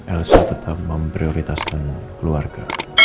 elsa tetap memprioritaskan keluarga